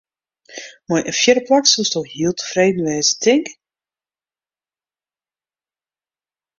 Mei in fjirde plak soesto heel tefreden wêze, tink?